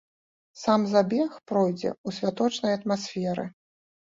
Сам забег пройдзе ў святочнай атмасферы.